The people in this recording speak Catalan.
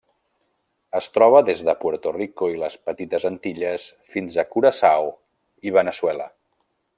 Es troba des de Puerto Rico i les Petites Antilles fins a Curaçao i Veneçuela.